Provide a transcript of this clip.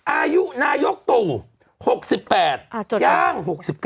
อายุนายกตู่๖๘ย่าง๖๙